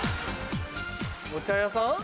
お茶屋さん？